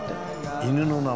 犬の名前。